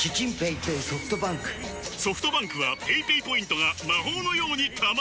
ソフトバンクはペイペイポイントが魔法のように貯まる！